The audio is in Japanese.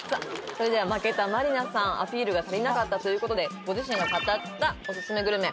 それでは負けた満里奈さんアピールが足りなかったということでご自身が語ったオススメグルメ